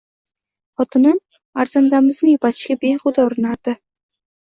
Xotinim arzandamizni yupatishga behuda urinardi